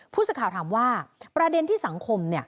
ผู้สื่อข่าวถามว่าประเด็นที่สังคม